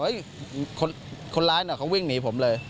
เฮ้ยคนร้ายเหรอเขาวิ่งหนีผมเลย